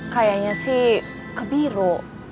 kayaknya sih kebiro